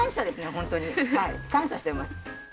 ホントに。感謝してます。